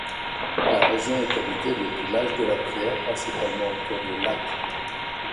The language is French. La région est habitée depuis l'âge de la pierre principalement autour de lacs.